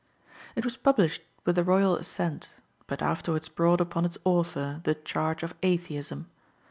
It was published with the royal assent, but afterwards brought upon its author the charge of Atheism.